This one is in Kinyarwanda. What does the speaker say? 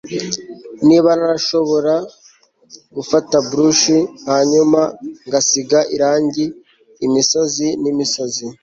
niba narashobora gufata brush hanyuma ngasiga irangi imisozi nimisozi